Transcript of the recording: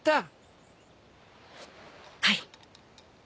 はい。